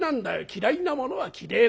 嫌いなものは嫌え